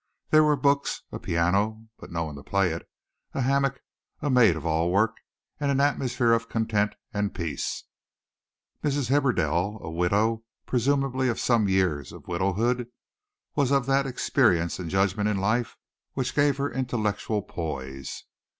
There were books, a piano (but no one to play it), a hammock, a maid of all work, and an atmosphere of content and peace. Mrs. Hibberdell, a widow, presumably of some years of widowhood, was of that experience and judgment in life which gave her intellectual poise.